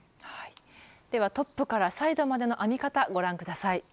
ではトップからサイドまでの編み方ご覧下さい。